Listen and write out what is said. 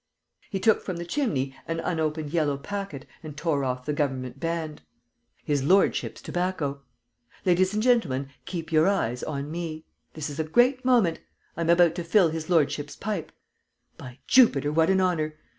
He took from the chimney an unopened yellow packet and tore off the government band: "His lordship's tobacco! Ladies and gentlemen, keep your eyes on me! This is a great moment. I am about to fill his lordship's pipe: by Jupiter, what an honour!